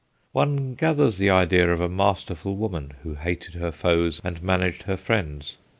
One gathers the idea of a masterful woman who hated her foes and managed her friends.